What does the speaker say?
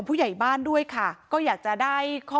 พูดใหญ่บ้านเคยขู่ถึงขั้นจะฆ่าให้ตายด้วยค่ะ